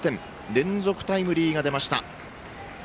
連続タイムリーが出ました。